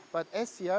tetapi dalam hal egr